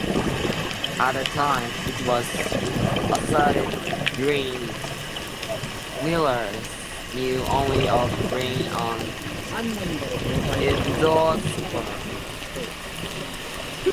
At the time, it was asserted grain millers knew only of bran and endosperm.